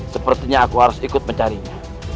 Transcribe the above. sepertinya aku harus ikut mencarinya